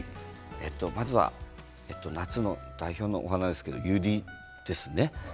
まずは夏の代表の花ですけれどもユリですね。